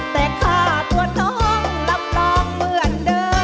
แต่ค่าตัวน้องรับรองเหมือนเดิม